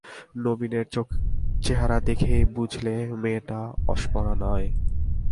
নবীনের চেহারা দেখেই বুঝলে, মেয়েটি অপ্সরা নয়।